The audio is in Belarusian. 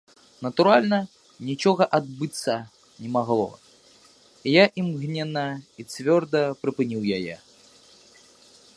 Натуральна, нічога адбыцца не магло, і я імгненна і цвёрда прыпыніў яе.